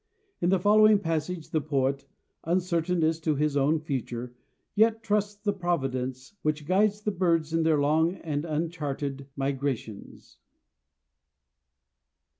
In the following passage the poet, uncertain as to his own future, yet trusts the providence which guides the birds in their long and uncharted migrations.